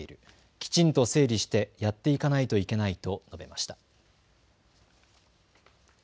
きちんと整理してやっていかないといけないと述べました。